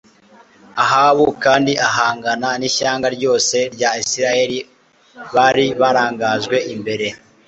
Ahabu kandi ahangana n'ishyanga ryose rya Isirayeli bari barangajwe imbere